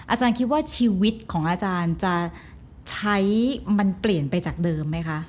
อาจารย์คิดว่าชีวิตของอาจารย์จะใช้มันเปลี่ยนไปจากเดิมไหมคะ